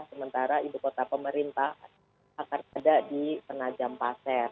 sementara ibu kota pemerintah akan ada di penajam pasir